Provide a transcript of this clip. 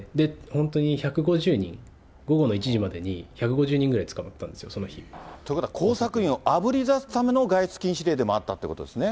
本当に１５０人、午後の１時までに１５０人ぐらい捕まったんですよ、その日。ということは、工作員をあぶり出すための外出禁止令でもあったということですね。